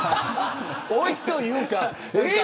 老いというかね。